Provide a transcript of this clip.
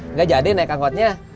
nggak jadi naik angkotnya